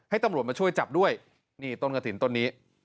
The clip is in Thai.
ตำรวจมาช่วยจับด้วยนี่ต้นกระถิ่นต้นนี้